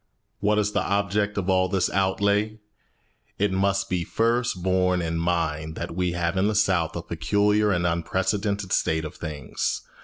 What is the object of all this outlay? It must be first borne in mind that we have in the South a peculiar and unprecedented state of things.